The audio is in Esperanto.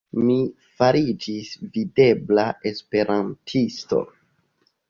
Mi fariĝis videbla esperantisto.